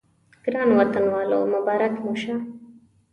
ګرانو وطنوالو مبارک مو شه.